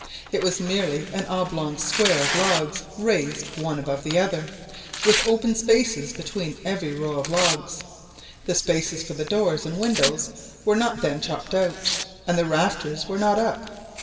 It was merely an oblong square of logs raised one above the other, with open spaces between every row of logs. The spaces for the doors and windows were not then chopped out, and the rafters were not up.